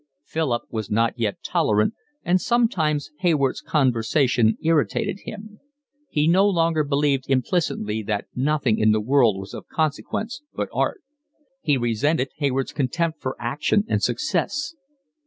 Philip was not yet tolerant, and sometimes Hayward's conversation irritated him. He no longer believed implicitly that nothing in the world was of consequence but art. He resented Hayward's contempt for action and success.